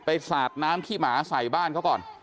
สาดน้ำขี้หมาใส่บ้านเขาก่อน